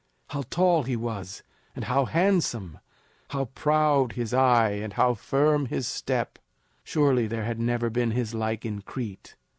How tall he was, and how handsome! How proud his eye, and how firm his step! Surely there had never been his like in Crete.